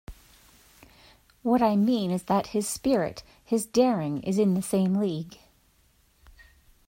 What I mean is that his spirit, his daring, is in the same league.